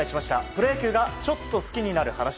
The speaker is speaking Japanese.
プロ野球がちょっと好きになる話。